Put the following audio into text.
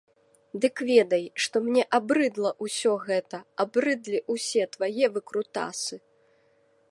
Дык ведай, што мне абрыдла ўсё гэта, абрыдлі ўсе твае выкрутасы!